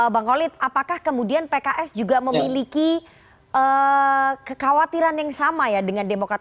bang kolit apakah kemudian pks juga memiliki kekhawatiran yang sama ya dengan demokrat